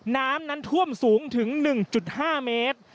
น้ำนั้นท่วมสูงถึง๑๕เมตร